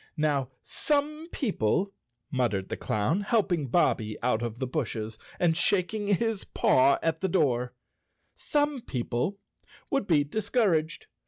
"Now some people," muttered the clown, helping Bobbie out of the brushes and shaking his paw at the door, "some people would be discouraged.